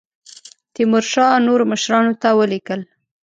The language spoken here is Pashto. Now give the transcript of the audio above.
تیمورشاه نورو مشرانو ته ولیکل.